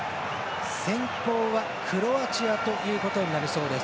先攻はクロアチアということになりそうです。